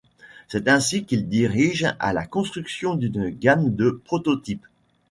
C'est ainsi qu'il dirige a la construction d'une gamme de prototypes.